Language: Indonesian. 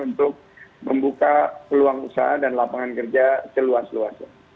untuk membuka peluang usaha dan lapangan kerja seluas luasnya